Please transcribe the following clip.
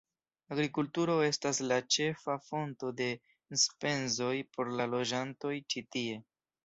Agrikulturo estas la ĉefa fonto de enspezoj por la loĝantoj ĉi tie.